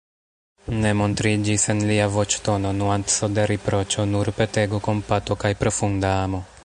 Ne montriĝis en lia voĉtono nuanco de riproĉo, nur petego, kompato kaj profunda amo.